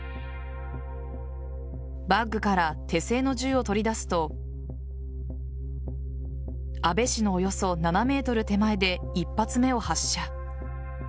バッグから手製の銃を取り出すと安倍氏のおよそ７ｍ手前で１発目を発射。